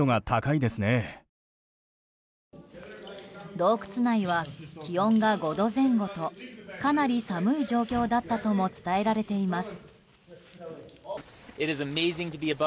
洞窟内は気温が５度前後とかなり寒い状況だったとも伝えられています。